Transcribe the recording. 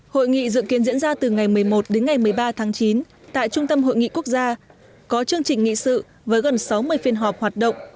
hội nghị dự kiến diễn ra từ ngày một mươi một đến ngày một mươi ba tháng chín tại trung tâm hội nghị quốc gia có chương trình nghị sự với gần sáu mươi phiên họp hoạt động